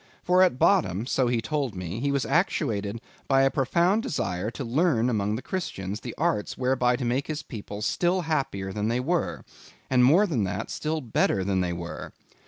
For at bottom—so he told me—he was actuated by a profound desire to learn among the Christians, the arts whereby to make his people still happier than they were; and more than that, still better than they were.